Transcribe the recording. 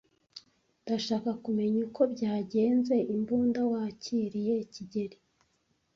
Ndashaka kumenya uko byagenze imbunda wakiriye kigeli.